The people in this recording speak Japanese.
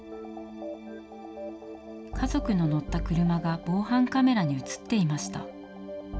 家族の乗った車が防犯カメラに映っていました。